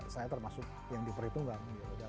saya termasuk yang diperhitungkan